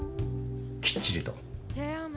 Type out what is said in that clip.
きっちりと。